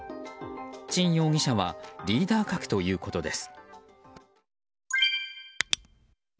チン容疑者はリーダー格ということです。